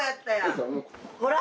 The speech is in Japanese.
ほら。